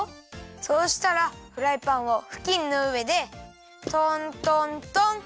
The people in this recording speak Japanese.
そうしたらフライパンをふきんのうえでトントントン。